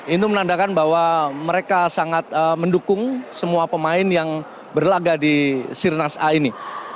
itu menandakan bahwa mereka sangat mendukung semua pemain yang berlaga di sirnas a ini